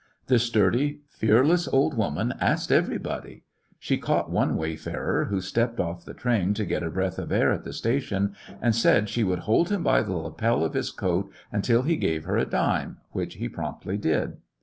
The sturdy, fearless old woman asked every body. She caught one wayfarer, who stepped off the train to get a breath of air at the sta tion, and said she would hold him by the lapel of his coat until he gave her a dime, which he promptly did.